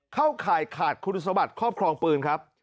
เข้าข่ายขาดคุณสมบัติครอบครองปืนครับ